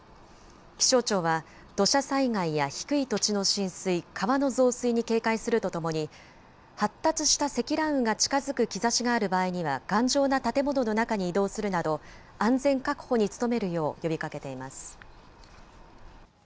気象庁は土砂災害や低い土地の浸水、川の増水に警戒するとともに発達した積乱雲が近づく兆しがある場合には頑丈な建物の中に移動するなど安全確保に努めるよう呼びかけています。